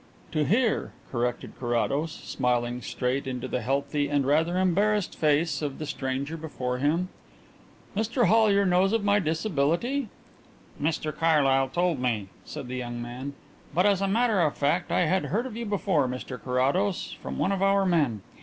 "To hear," corrected Carrados, smiling straight into the healthy and rather embarrassed face of the stranger before him. "Mr Hollyer knows of my disability?" "Mr Carlyle told me," said the young man, "but, as a matter of fact, I had heard of you before, Mr Carrados, from one of our men.